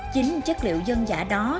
chính chất liệu dân giả đó